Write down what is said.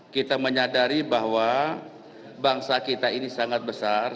kita menyadari bahwa bangsa kita ini sangat besar